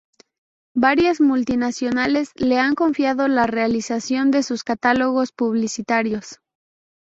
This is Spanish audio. Varias multinacionales le han confiado la realización de sus catálogos publicitarios.